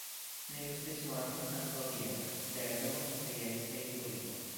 Nello stesso anno cantò a Vienna, Bergamo, Trieste e Torino.